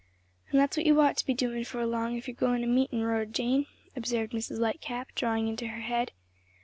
"And that's what you'd ought to be doin' 'forelong, if you're goin' to meetin', Rhoda Jane," observed Mrs. Lightcap, drawing in her head.